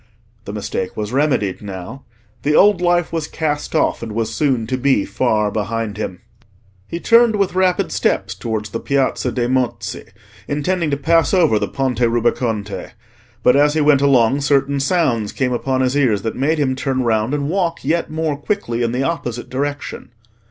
The mistake was remedied now: the old life was cast off, and was soon to be far behind him. He turned with rapid steps towards the Piazza dei Mozzi, intending to pass over the Ponte Rubaconte; but as he went along certain sounds came upon his ears that made him turn round and walk yet more quickly in the opposite direction.